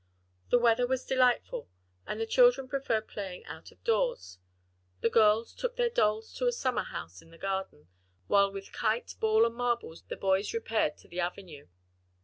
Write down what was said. The weather was delightful, and the children preferred playing out of doors; the girls took their dolls to a summer house in the garden, while with kite, ball and marbles, the boys repaired to the avenue.